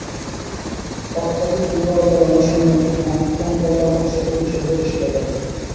অত্যধিক দুর্বলতাই অনেক সময় মহত্তম কল্যাণ ও শক্তির ছদ্মবেশে দেখা দেয়।